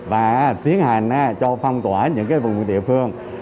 và tiến hành cho phong tỏa những vùng địa phương